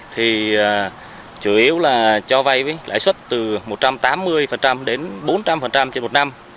thì chủ yếu là cho vay với lãi suất từ một trăm tám mươi đến bốn trăm linh trên một năm